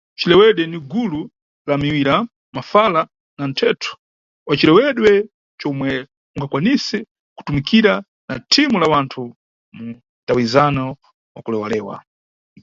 Cikewedwe ni gulu la miwira, mafala na mthetho wa cirewedwe comwe ungakwanise kutumikira na thimu la wanthu mu mtawizano wa kulewalewa.